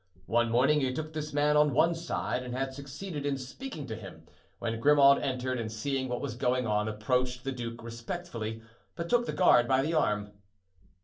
One morning he took this man on one side and had succeeded in speaking to him, when Grimaud entered and seeing what was going on approached the duke respectfully, but took the guard by the arm.